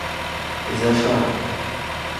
Iza faa.